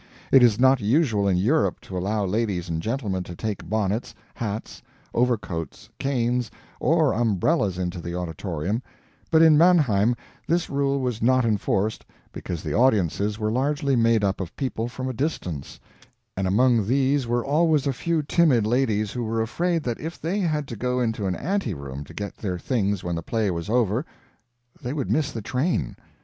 It is not usual in Europe to allow ladies and gentlemen to take bonnets, hats, overcoats, canes, or umbrellas into the auditorium, but in Mannheim this rule was not enforced because the audiences were largely made up of people from a distance, and among these were always a few timid ladies who were afraid that if they had to go into an anteroom to get their things when the play was over, they would miss their train.